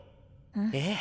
ええ。